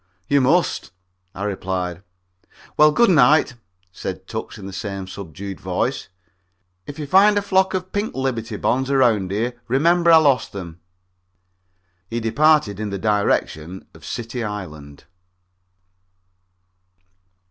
"You must," I replied. "Well, good night," said Tucks in the same subdued voice. "If you find a flock of pink Liberty Bonds around here, remember I lost them." He departed in the direction of City Island.